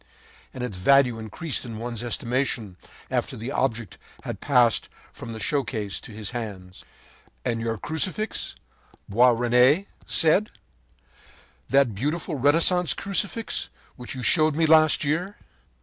And its value increased in one's estimation, after the object had passed from the showcase into his hands. “And your Crucifix,” said Boisrene, “that beautiful Renaissance Crucifix which you showed me last year?